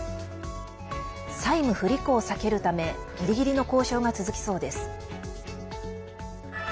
債務不履行を避けるためギリギリの交渉が続きそうです。